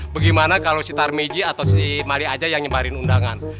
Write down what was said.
bagaimana kalau si tarmiji atau si mali saja yang menyebarin undangan